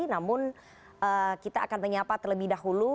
namun kita akan menyapa terlebih dahulu